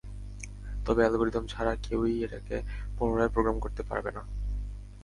তবে অ্যালগরিদম ছাড়া, কেউই এটাকে পুনরায় প্রোগ্রাম করতে পারবে না।